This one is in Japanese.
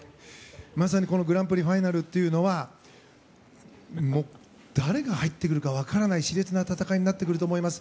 まさにグランプリファイナルは誰が入ってくるか分からない熾烈な戦いになってくると思います。